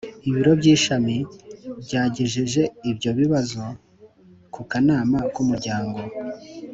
ibiro by ishami byagejeje ibyo bibazo ku kanama k umuryango